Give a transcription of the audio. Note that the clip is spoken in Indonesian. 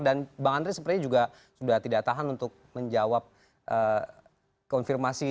dan bang andri sepertinya juga sudah tidak tahan untuk menjawab konfirmasi